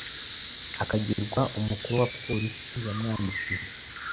akagirwa umukuru wa polisi, yamwandikiye